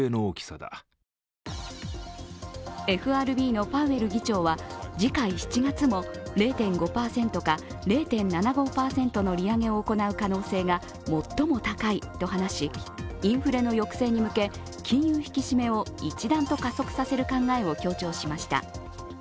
ＦＲＢのパウエル議長は、次回７月も０．５％か０．７５％の利上げを行う可能性が最も高いと話しインフレの抑制に向け、金融引き締めを一段と加速させる考えを強調しました。